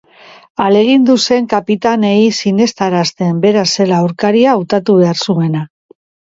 Ahalegindu zen kapitainei sinestarazten bera zela aurkaria hautatu behar zuena.